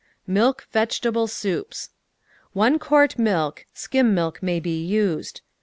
MILK VEGETABLE SOUPS 1 quart milk (skim milk may be used).